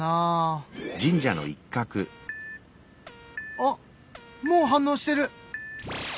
あっもう反応してる！